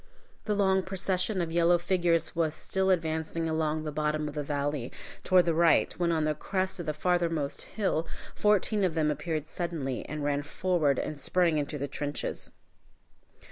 The long procession of yellow figures was still advancing along the bottom of the valley, toward the right, when on the crest of the farthermost hill fourteen of them appeared suddenly, and ran forward and sprang into the trenches.